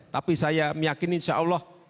tapi saya meyakini insyaallah